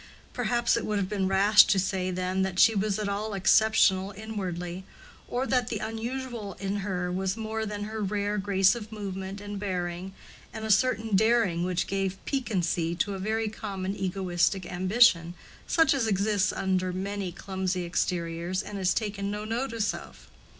Perhaps it would have been rash to say then that she was at all exceptional inwardly, or that the unusual in her was more than her rare grace of movement and bearing, and a certain daring which gave piquancy to a very common egoistic ambition, such as exists under many clumsy exteriors and is taken no notice of.